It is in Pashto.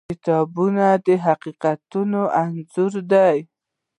کتاب د حقیقتونو انځور دی.